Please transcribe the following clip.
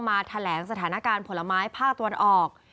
มาแถลงสถานการณ์ผลไม้ภาคตะวันออก